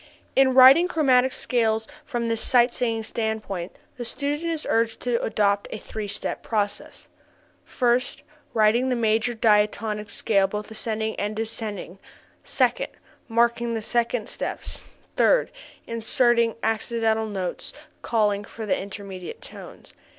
_ In writing chromatic scales from this sight singing standpoint the student is urged to adopt a three step process; first, writing the major diatonic scale both ascending and descending; second, marking the half steps; third, inserting accidental notes calling for the intermediate tones.